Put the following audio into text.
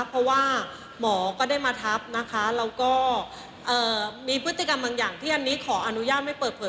เพราะว่าหมอก็ได้มาทับนะคะแล้วก็มีพฤติกรรมบางอย่างที่อันนี้ขออนุญาตไม่เปิดเผย